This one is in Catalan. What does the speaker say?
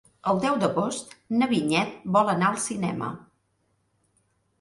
El deu d'agost na Vinyet vol anar al cinema.